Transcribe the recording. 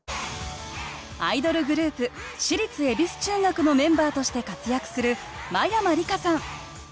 アイドルグループ私立恵比寿中学のメンバーとして活躍する真山りかさん